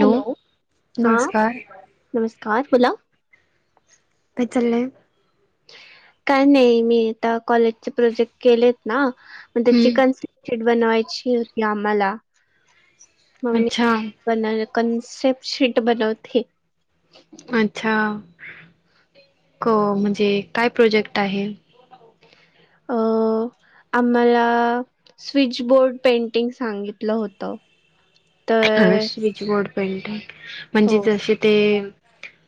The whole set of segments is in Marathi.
हॅलो! हा नमस्कार नमस्कार बोला. काय चाललंय? काय नाही, मी आता कॉलेजचे प्रोजेक्ट केलेत ना, पण त्याची हम्म कन्से शिट बनवायची होती आम्हाला. मग अच्छा मी कण अ कनसेप्ट शीट बनवते. अच्छा, क म्हणजे काय प्रोजेक्ट आहे? अ [unintelligible] आम्हाला स्विचबोर्ड पेंटिंग सांगितलं होतं. तर स्विचबोर्ड पेंटिंग म्हणजे हो जसे ते,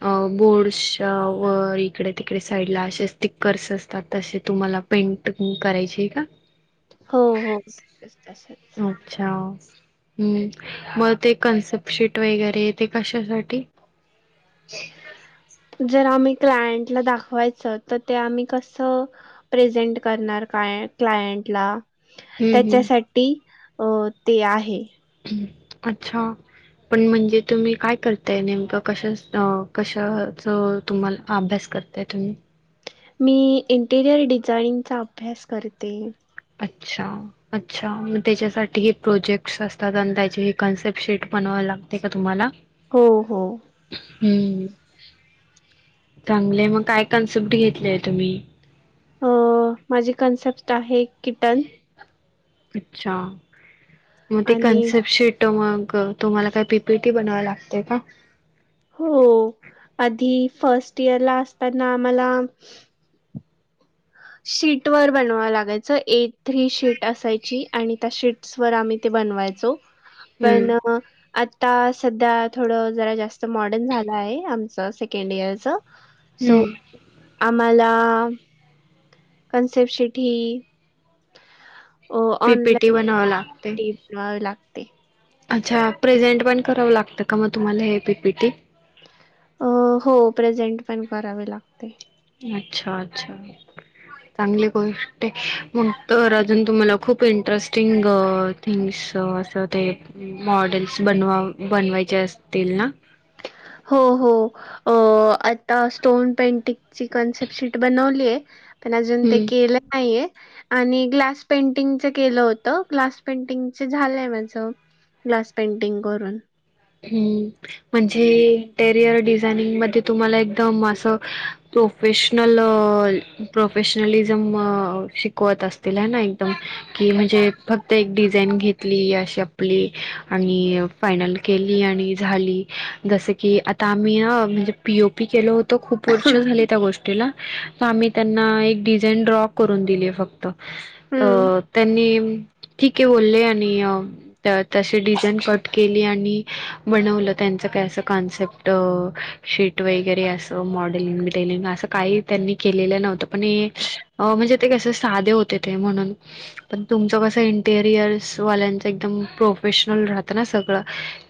अ बोर्डसच्या व इकडे, तिकडे, साईडला असे स्टिकर्स असतात तशे तुम्हाला. पेंट करायची आहे का? हो. हो. तसंच, तस.. अच्छा! हम्म मग ते कन्सेप्ट शीट वगैरे ते कशासाठी? [unintelligible] जर आम्ही क्लायंटला दाखवायच तर, ते आम्ही कसं- प्रेझेंट करणार काय क्लायंट ला हम्म हम्म त्याच्यासाठी अ ते आहे. अच्छा! पण म्हनजे तुम्ही काय करताय? नेमक कशा कशाच तुम्हाला अभ्यास करता. त्यातून मी इंटिरियर डिझाइनिंगचा अभ्यास करते. अच्छा! अच्छा! मग त्याच्यासाठी हे प्रोजेक्ट्स असतात. आणि त्याची हे कन्सेप्ट शीट बनवायला लागते का तुम्हाला? हो. हो... हम्म! चांगलेय मग काय कॉन्सेप्ट घेतलेय तुम्ही? अ माझी कॉन्सेप्ट आहे किटन अच्छा! म ते आणि कनसेप्ट शिट त मग तुम्हाला काय पी, पी, टी बनवाव लागते का? हो आधी फर्स्ट इयर ला असताना आम्हाला, शीट वर बनवाव लागायचं ए थ्री शीट असायची आणि त्या शीट्स वर आम्ही ते बनवायचो. हम्म, पण आता सध्या थोडं जरा जास्त मॉडर्न झालं आहे आमचं सेकंड इयरचं, सो, हम्म. आम्हाला कन्सेप्ट शिट ही पी पी टी बनवयाला लागते. हा. लागते. अच्छा प्रेझेंट पण करावं लागतं का? मग तुम्हाला हे पी पी टी. अ हो प्रेझेंट पण करावे लागते. अच्छा! अच्छा! चांगली गोष्ट आहे. मग तर अजून तुम्हाला खूप इंटरेस्टिंग- थिंग्स असं ते मॉडेल्स बनवा बनवायचे असतील ना? हो. हो. अ आता स्टोन पेंटिकची कन्सेप् शीट बनवलीय, पण अजून ते हम्म केलं नाहीये. आणि ग्लास पेंटिंगच केलं होतं ग्लास पेंटिंगच झालंय माझ. ग्लास पेंटिंग करून हम्म म्हणजे टेरियर डिझायनिंग मध्ये तुम्हाला एकदम आसं प्रोफेशनल प्रोफेशनलिझम शिकवत असतील हे ना, एकदम. कि म्हणजे फक्त एक डिझाईन घेतली अशी आपली आणि फायनल केली आणि झाली जसं की आता आम्ही अ म्हणजे पी ओ पी केलो हो तो खूप वर्ष झाली त्या गोष्टीला त आम्ही त्यांना एक डिझाईन ड्रॉ करून दिली फक्त, अ हम्म त्यांनी ठीक आहे बोले आणि त तशी डिझाईन कट केली आणि बनवलं त्यांच काय अस कन्सेप्ट शीट वगैरे अस मॉडलिंग मिडलिंग आस काही त्यांनी केलेलं नव्हतं पण अ म्हणजे ते कसे साधे होते ते म्हणून पण तुमचं कसं इंटेरियल्स वाल्यांचं एकदम प्रोफेशनल राहतं ना सगळं,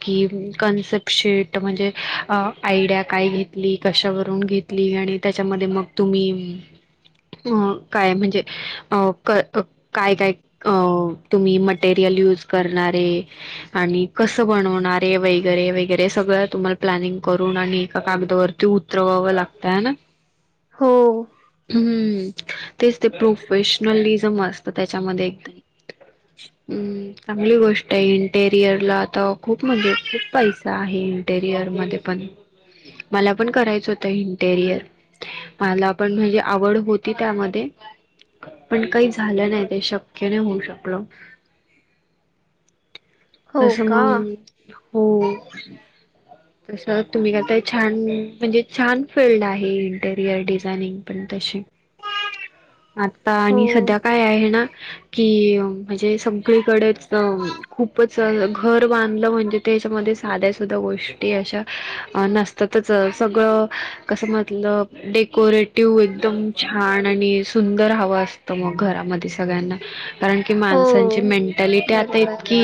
की कन्सेप्ट शिट म्हणजे आयडिया काय घेतली? कशावरून घेत ली? आणि त्याच्यामध्ये मग तुम्ही अ काय म्हणजे अ क काय काय अ तुम्ही मटेरियल यूज करणार हे आणि कस बनव णारे वगैरे वगैरे सगळ तुम्हाला प्लॅनिंग करून आणि एका कागदावरती उतरवावं लाग त ना? हो हम् तेच ते प्रोफेशनलिझम असतं त्याच्यामध्ये एकदम. हम् चांगली गोष्ट आहे इंटेरियरला आता. खूप म्हणजे खूप पैसा आहे इंटेरियर मध्ये पण मला पण करायचं होतं इंटेरियर. मला पण म्हणजे आवड होती त्यामध्ये पण काही झालं नाही ते शक्य नाही होऊ शकलं. हो तसं का मग हो तसं तुम्ही करताय छान म्हणजे छान फिल्ड आहे इंटेरियर डिझायनिंग. पण तसे आता हो आणि सध्या काय आहे ना? कि म्हणजे सगळीकडेच खूपच घर बां धलं म्हणजे त्याच्यामध्ये साध्या सुध्या गोष्टी अशा नसतातच सगळं कसं मतलब डेकोरेटिव्ह एकदम छान आणि सुंदर हाव आस तं मग घरामध्ये सगळ्यांना कारण की, हो माणसांची मेंटॅलिटी आता बरोबर इतकी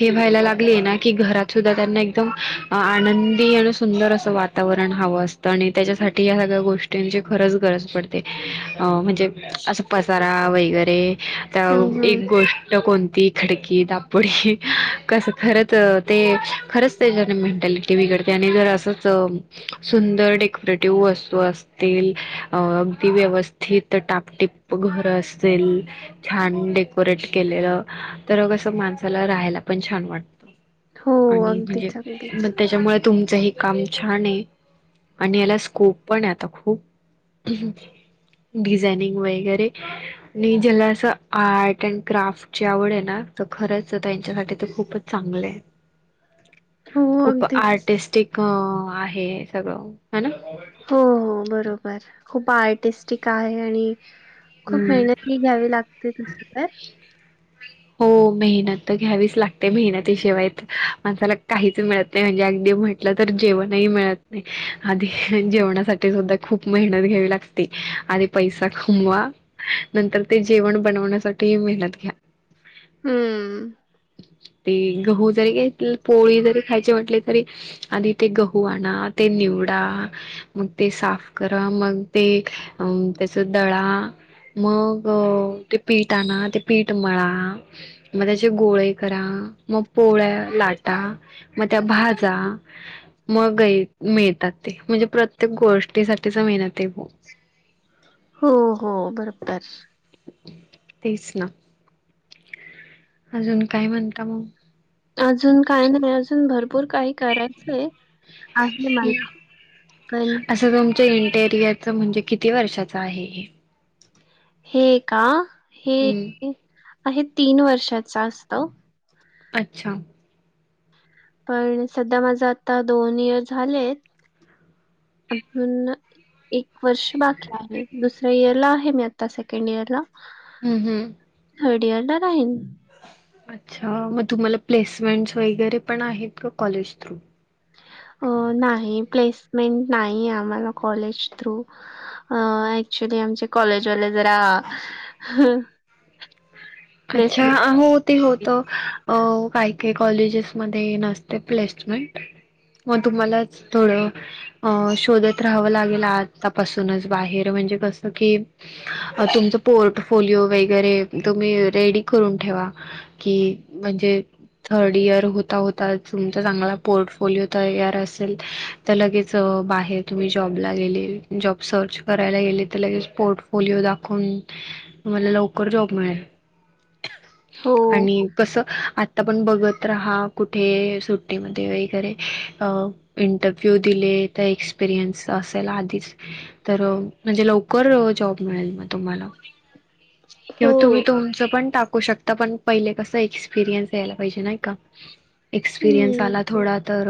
हे व्हायला लाग ली हे ना की, घरात सुद्धा त्यांना एकदम आनंदी आणि सुंदर असं वातावरण हावं अस तं. आणि त्याच्यासाठी या सगळ्या गोष्टींची खरंच गरज पडते अ म्हणजे आस पसारा वगैरे त्याव हम्म हम्म एक गोष्ट कोणती खिडकी दापोडी कस खरंच ते खरंच त्याच्याने मेंटॅलिटी बिघडते, आणि जर असच सुंदर डेकोरेटिव्ह वस्तू अस तील अगदी व्यवस्थित टापटिप घर असेल छान डेकोरेट केलेलं तर कसं माणसाला राहायला पण छान वाट हो आणि म्हणजे अगदीच म अगदीच त्याच्यामुळ तुमचं हे काम छान आहे. आणि याला स्कोप पण आहे आता खूप डिझायनिंग वगैरे. आणि ज्याला असं आर्ट अँड क्राफ्ट ची आवड आहे ना, तर खरंच त्यांच्यासाठी त खूपच चांगले आहे हो खूप अगदीच आर्टिस्टिक क आहे सगळं हे ना? हो हो बरोबर खूप आर्टिस्टिक आहे आणि खूप हम्म मेहनती घ्यावी लागते तसं काय? हो मेहनत त घ्यावीच लागते मेहनतीशिवाय त माणसाला काहीच मिळत ते म्हणजे आगदी म्हटलं तर जेवणही मिळत नाही. आधी जेवणासाठी सुद्धा खूप मेहनत घ्यावी लाग ते, आधी पैसा कमवा नंतर ते जेवण बनवण्यासाठी मेहनत घ्या. हम्म. ते गहू जरी घेत पोळी जरी खायची म्हटली तरी आधी ते गहू आणा, ते निवडा, मग ते साफ करा, मग ते अ त्याच दळा, मग ते पीठ आणा, ते पीठ मळा, म त्याचे गोळे करा, मग पोळ्या लाटा, मग त्या भाजा, मग मिळतात ते म्हणजे प्रत्येक गोष्टीसाठीच मेहनत आहे खूप. हो हो, बरोबर. तेच ना आजून काय म्हणता मग? आजून काय नाही, आजून भरपूर काही करायचंय हे आहे मला. पण असं तुमच्या इंटेरियरच म्हणजे किती वर्षाच आहे हे? हे का? हे हम्म आहे तीन वर्षाच असत. अच्छा पण सध्या माझ आता दोन इयर झालेत, आजून एक वर्ष बाकी आहे, दुसऱ्या इयरला आहे मी आता सेकंड इयर ला. ह ह थर्ड इयरला जाईन. अच्छा तुम्हाला प्लेसमेंटस वगैरे पण आहेत का? College through? अ नाही प्लेसमेंट नाही आम्हाला कॉलेज थ्रू. ॲक्च्युली आमचे कॉलेजवाले जरा आच्छा प्लेसमेंट हो ती होत काय काय कॉलेजेसमध्ये नसते प्लेसमेंट हो तुम्हालाच थोडं अ शोधत राहावं लागेल आतापासूनच बाहेर म्हणजे कसं की अजून पोर्टफोलिओ वगैरे तुम्ही रेडी करून ठेवा. की म्हणजे थर्ड इयर होता होता तुमचा चांगला पोर्टफोलिओ तयार असेल त लगेच बाहेर तुम्ही जॉबला गेले जॉब सर्च करायला गेले त लगेच पोर्ट पोलिओ दाखवून तुम्हाला लवकर जॉब मिळेल. हो आणि कस आता पण बघत राहा कुठे सुट्टीमध्ये वगैरे अ इंटरव्ह्यू दिले त एक्सपिरियन्स असेल आधीच तर म्हणजे लवकर जॉब मिळेल तुम्हाला हो किंव्हा तुम्ही तुमचं पण टाकू शकता पण पहिले कस एक्सपिरियन्स यायला पाहिजे नाही का? एक्सपिरियन्स हम्म आला थोडा तर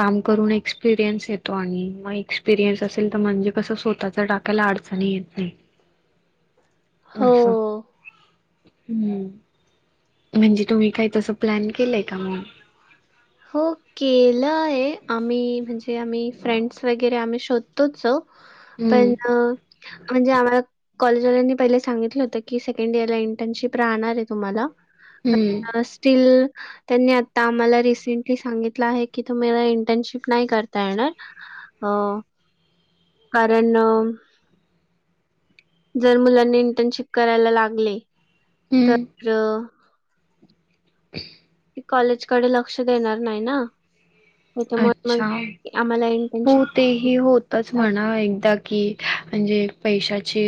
काम करून एक्स एक्सपिरियन्स येतो आणि मग एक्सपिरियन्स असेल तर म्हणजे कसं स्वतःच टाकायला आडचणी येत नाही. हो आस हम्म. म्हणजे तुम्ही काही तस प्लॅन केलंय का मग? हो केलय आम्ही म्हणजे आम्ही फ्रेंड्स वगैरे आम्ही शोधतोच वो हम्म पण म्हणजे आम्हाला कॉलेजवाल्यांनी पहिले सांगितलं होतं की सेकंड इयरला इंटरशिप राहणार आहे तुम्हाला. हम्म. लास टील त्यांनी आता आम्हाला रि त्यांनी सांगितल आहे की तुम्हीला इंटनशिप नाही करता येणार अ कारण जर मुलांनी इंटर्नशिप करायला लागले तर हम्म [inaudible] ते कॉलेजकडे लक्ष देणार नाही ना. त्याच्यामुळे अच्छा, मग आम्हाला हो इंटर्नशिप ते ही होतच देतात. म्हणा एकदा की म्हणजे पैशाची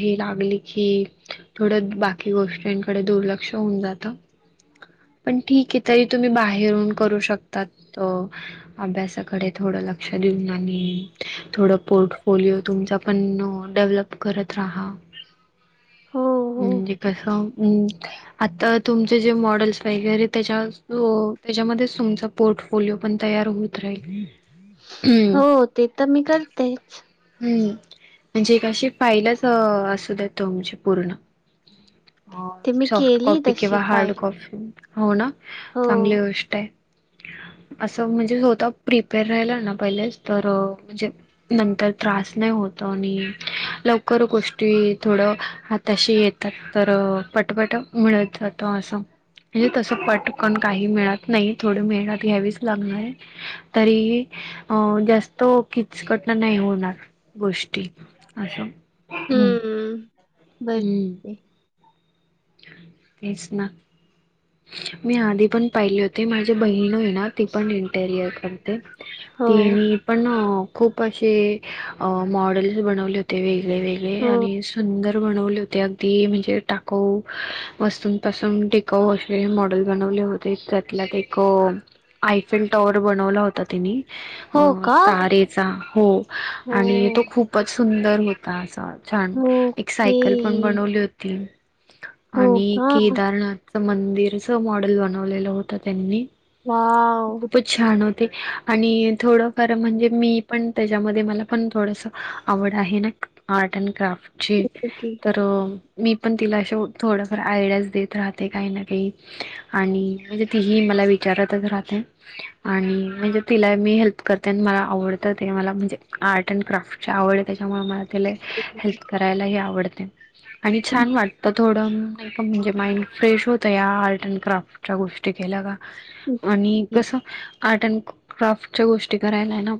हे लागली की थोडं बाकी गोष्टीकडे दुर्लक्ष होऊन जातं. पण ठीक आहे तरी तुम्ही बाहेरून करू शकता अह अभ्यासाकडे थोड लक्ष देऊन आणि थोड पोर्टफोलीओ तुमचा पण डेव्हलप करत राहा, हो हो म्हणजे कस हम्म. आता तुमचे जे मॉडेल्स वगैरे तेच्यात हो त्याच्यामध्येच तुमचा पोर्टफोलिओ पण तयार होत राहील. हम्म हो ते तर मी करतेच. हम्म म्हणजे एक अशी फाईलच अह असू द्या तुमची पूर्ण. अह ते मी सॉफ्ट केली कॉपी किंवा तशी हार्ड फाईल कॉपी. हो ना, हो चांगली गोष्ट आहे. असं म्हणजे स्वतः प्रिपेअर राहिला ना पहिलेच तर म्हणजे नंतर त्रास नाही होत आणि लवकर गोष्टी थोड हा तशी येतात तर पटपटा मिळत जात असं. म्हणजे तसं पटकन काही मिळत नाही, थोड मेहनत घ्यावीचं लागणार आहे तरी अह जास्त किचकट नाही होणार गोष्टी अस हम्म. हम्म. बर हम्म. तेच ना. मी आधी पण पाहिले होती माझी बहीण आहे ना ती पण इंटरियर करते हो ती नी पण खूप असे अह मॉडेल्स बनवलेत ते वेगळे वेगळे हो आणि सुंदर बनवले होते अगदी म्हणजे टाकाऊ वस्तूंपासून टिकाऊ असे मॉडेल बनवले होते, त्यातल्यात एक आयफिल टॉवर बनवला होता तिनी हो अह का तारेचा हो हो आणि तो खूपच सुंदर होता असा छान. एक ओके सायकल पण बनवली होती. हो आणि का केदारनाथच मंदिरच मॉडेल बनवलेलं होत त्यांनी. वाव! खूपच छान होते, आणि थोडंफार म्हणजे मी पण तेज्यामध्ये मला पण थोडस आवड आहे ना आर्ट अँड क्राफ्टची, ओके तर मी पण तिला असे थोडंफार आयडियाज देत राहते काही ना काही. आणि म्हणजे तीही मला विचारतच राहते. आणि म्हणजे तिला मी हेल्प करते आणि मला आवडत ते मला म्हणजे आर्ट अँड क्राफ्ट ची आवड आहे त्याच्यामुळ मला तिला हेल्प करायलाही आवडते, आणि छान वाटत थोडं म्हणजे माइंड फ्रेश होतं या आर्ट अँड क्राफ्टच्या गोष्टी केल्या का. ओके आणि कसं आर्ट अँड क्राफ्टच्या गोष्टी करायला आहे ना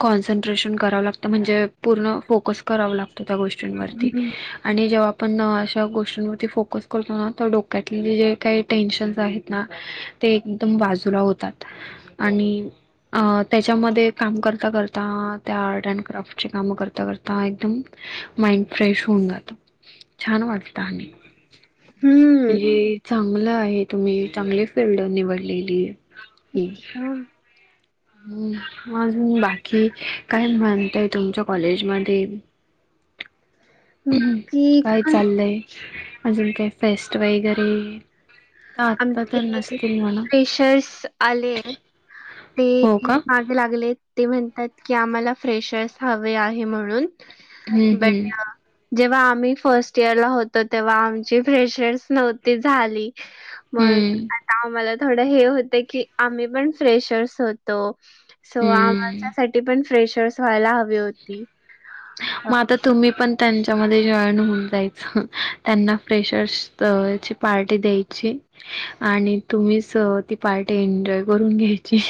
कॉन्सन्ट्रेशन करावं लागतं म्हणजे पूर्ण फोकस करावं लागतं त्या गोष्टी वरती हम्म आणि जेव्हा पण अशा गोष्टींवरती फोकस करतो ना तर डोक्यातले जे काही टेन्शनस आहेत ना ते एकदम बाजूला होतात आणि. अ त्याच्यामध्ये काम करता करता त्या आर्ट अँड क्राफ्टचे काम करता करता एकदम. माइंड फ्रेश होऊन जातो छान वाटत आणि. हम्म, हे चांगलं आहे तुम्ही चांगली फिल्ड निवडलेली ही, हा, हम, अजून बाकी काय म्हणताय तुमच्या कॉलेज मध्ये. [inaudible] की [inaudible] चाललंय अजून काही फेस्टवाय आहे घरी. आमचे फेशर्स आलेत. हो ती का मागे लागले ते म्हणतात की, आम्हाला फ्रेशर्स हवे आहे म्हणून. हम्म हम्म, बेटा जेव्हा आम्ही फर्स्ट इयर ला होतो तेव्हा आमची फ्रेशर्स नव्हती झाली. मग हम्म आता आम्हाला थोडं हे होत की. आम्ही पण फ्रेशर्स होत. त सो हम्म आमच्यासाठी पण फ्रेशर्स व्हायला हवी होती. म आता. तुम्ही पण त्यांच्यामध्ये जॉईन होऊन जायचं त्यांना फ्रेशर्स [unintelligible] पार्टी द्यायची आणि तुम्ही सह ती पार्टी एन्जॉय करून घ्यायची.